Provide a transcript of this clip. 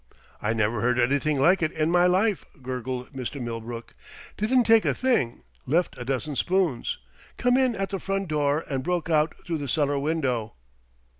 "I never heard anything like it in my life!" gurgled Mr. Millbrook. "Didn't take a thing. Left a dozen spoons. Came in at the front door and broke out through the cellar window."